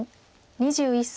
２１歳。